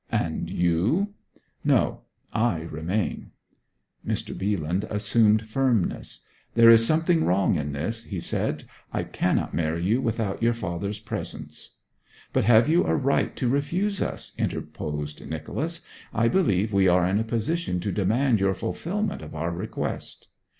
'And you?' 'No. I remain.' Mr. Bealand assumed firmness. 'There is something wrong in this,' he said. 'I cannot marry you without your father's presence.' 'But have you a right to refuse us?' interposed Nicholas. 'I believe we are in a position to demand your fulfilment of our request.'